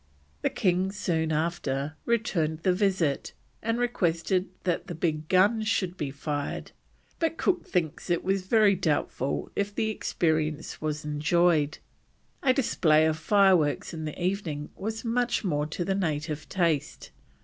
The king soon after returned the visit, and requested that the big guns should be fired, but Cook thinks it was very doubtful if the experience was enjoyed. A display of fireworks in the evening was much more to the native taste.